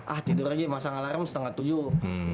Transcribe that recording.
ah tidur aja masang alarm setengah tujuh